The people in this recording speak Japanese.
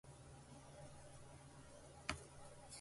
オラオラオラァ